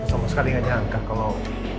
aku sama sekali gak nyangka kalau